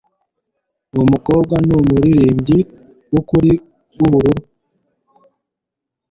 Uwo mukobwa numuririmbyi wukuri wubururu